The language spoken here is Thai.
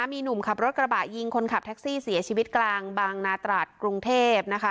มีหนุ่มขับรถกระบะยิงคนขับแท็กซี่เสียชีวิตกลางบางนาตรัสกรุงเทพนะคะ